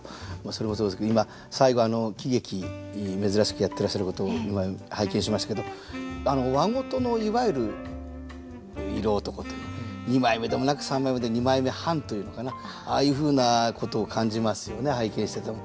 それもそうですけど今最後喜劇珍しくやってらっしゃることを今拝見しましたけど和事のいわゆる色男という二枚目でもなく三枚目で二枚目半というのかなああいうふうなことを感じますよね拝見してても。